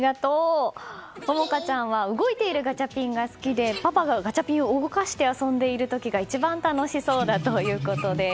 百花ちゃんは動いているガチャピンが好きでパパがガチャピンを動かして遊んでいる時が一番楽しそうだということです。